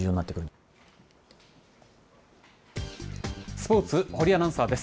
スポーツ、堀アナウンサーです。